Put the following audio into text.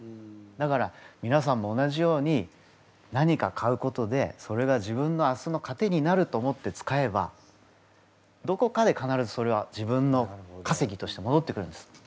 だからみなさんも同じように何か買うことでそれが自分の明日の糧になると思って使えばどこかで必ずそれは自分のかせぎとしてもどってくるんです。